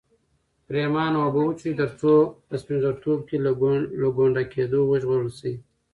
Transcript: پرېمانه اوبه وڅښه ترڅو په سپین ږیرتوب کې له ګونډه کېدو وژغورل شې.